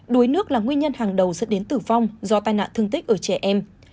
đuối nước là nguyên nhân hàng đầu dẫn đến tử vong do tai nạn thương tích ở trẻ em